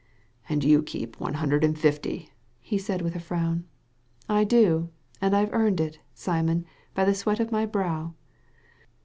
And you keep one hundred and fifty," he said, with a frown. ^ I do ; and I've earned it, Simon, by the sweat of my brow.